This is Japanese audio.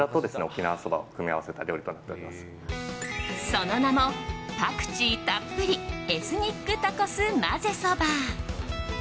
その名もパクチーたっぷりエスニックタコスまぜそば。